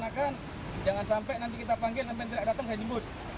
maka jangan sampai nanti kita panggil nanti tidak datang saya jemput